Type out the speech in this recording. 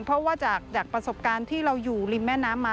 เพราะว่าจากประสบการณ์ที่เราอยู่ริมแม่น้ำมา